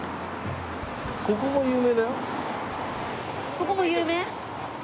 ここも有名？